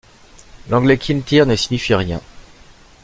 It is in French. L'anglais Kintyre ne signifie rien.